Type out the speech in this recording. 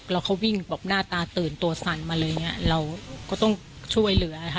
แล้วเขาวิ่งแบบหน้าตาตื่นตัวสั่นมาเลยอย่างเงี้ยเราก็ต้องช่วยเหลือค่ะ